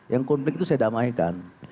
yang konflik itu saya damaikan